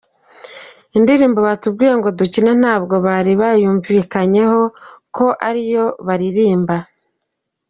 Indirimbo batubwiye ngo dukine ntabwo bari bayumvikanyeho ko ari yo baririmba.